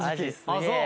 ああそう！